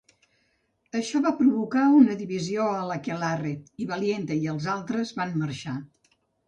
Això va provocar una divisió a l'aquelarre, i Valiente i altres van marxar.